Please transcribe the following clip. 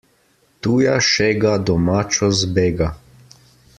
Tuja šega domačo zbega.